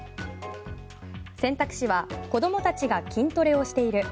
選択肢は子供たちが筋トレをしている。